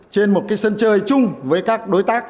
trên một cái sân chơi chung với các đối tác